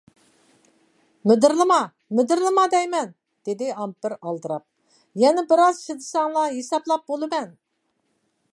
-مىدىرلىما، مىدىرلىما دەيمەن! -دېدى ئامپېر ئالدىراپ، -يەنە بىر ئاز چىدىساڭلا ھېسابلاپ بولىمەن!